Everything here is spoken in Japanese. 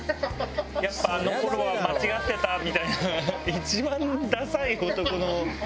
やっぱあの頃は間違ってたみたいな一番ダサい男の。